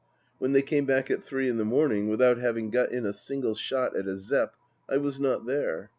When they came back at three in the morning, without having got in a single shot at a Zepp, I was not there.